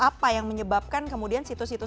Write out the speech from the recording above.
apa yang menyebabkan kemudian situs situs pemerintah ini